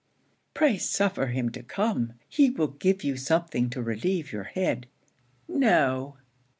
'Pray suffer him to come; he will give you something to relieve your head.' 'No!'